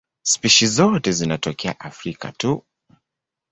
Spishi zote zinatokea Afrika tu.